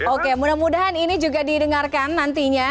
oke mudah mudahan ini juga didengarkan nantinya